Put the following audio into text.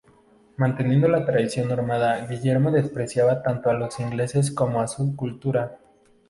Manteniendo la tradición normanda, Guillermo despreciaba tanto a los ingleses como a su cultura.